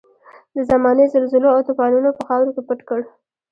د زمانې زلزلو او توپانونو په خاورو کې پټ کړ.